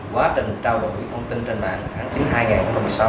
quá trình trao đổi thông tin trên mạng tháng chín hai nghìn một mươi sáu